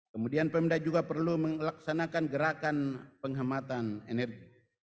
kemudian pemda juga perlu melaksanakan gerakan penghematan energi